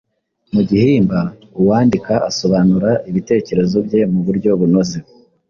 Mu gihimba uwandika asobanura ibitekerezo bye mu buryo bunoze